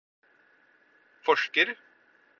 forsker